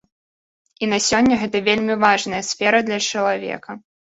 І на сёння гэта вельмі важная сфера для чалавека.